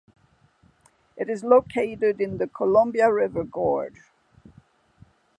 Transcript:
It is located in the Columbia River Gorge.